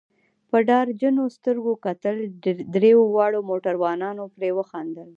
په ډار جنو سترګو کتل، دریو واړو موټروانانو پرې وخندل.